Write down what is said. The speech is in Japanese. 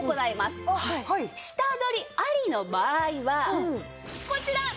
下取りありの場合はこちら！